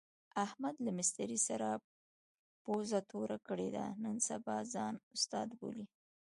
احمد له مستري سره پوزه توره کړې ده، نن سبا ځان استاد بولي.